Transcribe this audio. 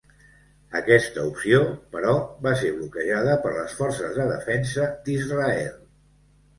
Aquesta opció, però, va ser bloquejada per les Forces de Defensa d'Israel.